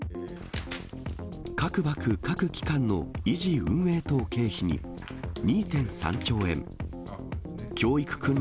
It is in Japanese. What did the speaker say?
各幕各機関の維持・運営等経費に２．３兆円、教育訓練